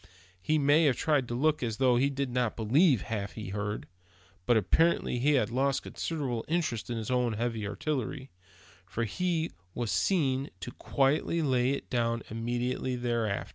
He may have tried to look as though he did not believe half he heard; but apparently he had lost considerable interest in his own heavy artillery, for he was seen to quietly lay it down immediately afterwards.